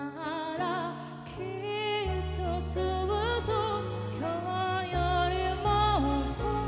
「きっとずっと今日よりもっと」